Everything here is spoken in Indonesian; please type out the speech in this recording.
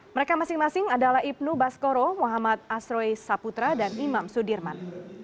mereka masing masing adalah ibnu baskoro muhammad asroi saputra dan imam sudirman